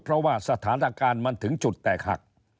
เพราะว่าสถานการณ์มันถึงจุดแตกหัก